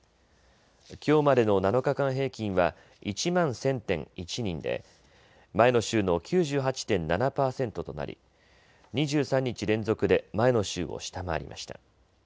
きょうまでの７日間平均は１万１０００．１人で前の週の９８．７％となり２３日連続で前の週を下回りました。